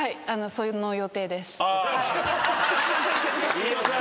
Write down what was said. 飯尾さん。